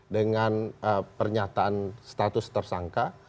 dengan pernyataan status tersangka